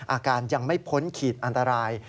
อาการยังไม่พ้นขีดอันตราย